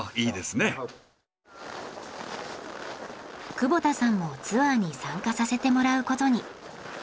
窪田さんもツアーに参加させてもらうことに。